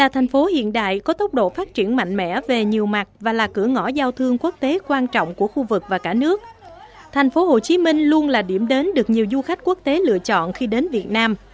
thành phố hồ chí minh luôn là điểm đến được nhiều du khách quốc tế lựa chọn khi đến việt nam